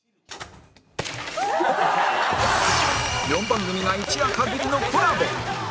４番組が一夜限りのコラボ